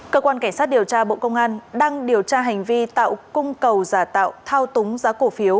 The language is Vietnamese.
cơ quan cảnh sát điều tra bộ công an đang điều tra hành vi tạo cung cầu giả tạo thao túng giá cổ phiếu